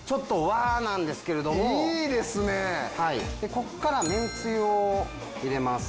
ここからめんつゆを入れます。